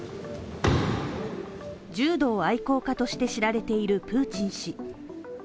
柔道愛好家として知られている、プーチン氏。